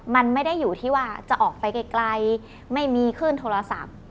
มันไม่ได้อยู่ที่ว่าจะออกไปไกลไม่มีขึ้นโทรศัพท์